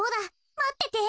まってて。